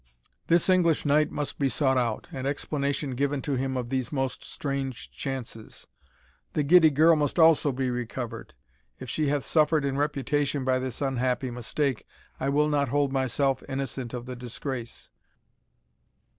This English knight must be sought out, and explanation given to him of these most strange chances. The giddy girl must also be recovered. If she hath suffered in reputation by this unhappy mistake, I will not hold myself innocent of the disgrace.